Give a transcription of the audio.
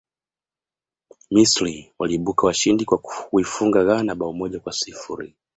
misri waliibuka washindi kwa kuifunga ghana bao moja kwa sifuri